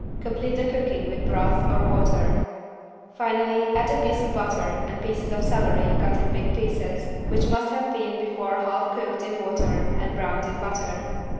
Complete the cooking with broth or water. Finally add a piece of butter and pieces of celery cut in big pieces which must have been before half cooked in water and browned in butter.